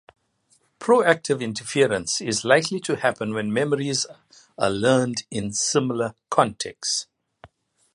Proactive interference is likely to happen when memories are learned in similar contexts.